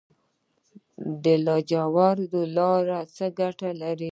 د لاجوردو لاره څه ګټه لري؟